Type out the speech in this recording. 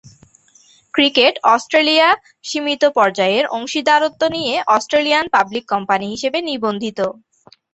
Cricket Australia সীমিত পর্যায়ের অংশীদারত্ব নিয়ে অস্ট্রেলিয়ান পাবলিক কোম্পানী হিসেবে নিবন্ধিত।